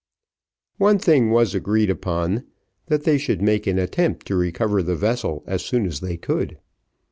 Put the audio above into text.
One thing was agreed upon, that they should make an attempt to recover the vessel as soon as they could.